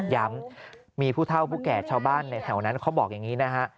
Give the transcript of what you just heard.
ย้ำมีผู้เท่าผู้แก่ชาวบ้านในแถวนั้นเขาบอกอย่างนี้นะฮะ